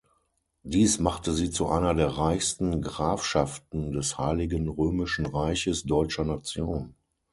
Dies machte sie zu einer der reichsten Grafschaften des Heiligen Römischen Reiches Deutscher Nation.